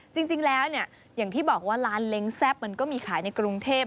จริงแล้วเนี่ยอย่างที่บอกว่าร้านเล้งแซ่บมันก็มีขายในกรุงเทพ